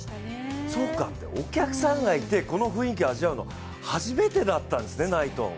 そっか、お客さんがいて、この雰囲気を味わうの初めてだったんですね、ナイトン。